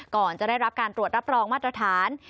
ก่อนจะได้รับการตรวจรับรองมาตรฐาน